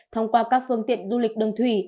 thông qua các phương tiện du lịch đường thủy